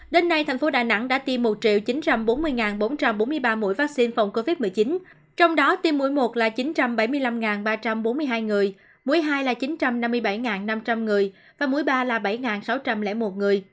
đến nay thành phố đà nẵng đã tiêm một chín trăm bốn mươi bốn trăm bốn mươi ba mũi vaccine phòng covid một mươi chín trong đó tiêm mũi một là chín trăm bảy mươi năm ba trăm bốn mươi hai người muối ii là chín trăm năm mươi bảy năm trăm linh người và mũi ba là bảy sáu trăm linh một người